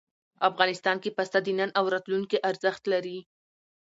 افغانستان کې پسه د نن او راتلونکي ارزښت لري.